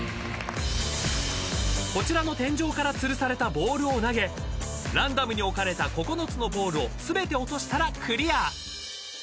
［こちらの天井からつるされたボールを投げランダムに置かれた９つのボールを全て落としたらクリア］